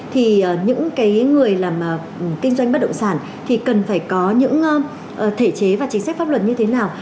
thì những người làm kinh doanh bất động sản thì cần phải có những thể chế và chính sách pháp luật như thế nào